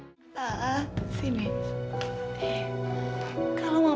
sampai jumpa di video selanjutnya